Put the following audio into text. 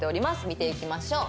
見ていきましょう。